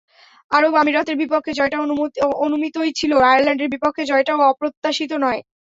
আরব আমিরাতের বিপক্ষে জয়টা অনুমিতই ছিল, আয়ারল্যান্ডের বিপক্ষে জয়টাও অপ্রত্যাশিত নয়।